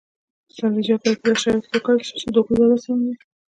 سبزیجات باید په داسې شرایطو کې وکرل شي چې د هغوی وده سمه وي.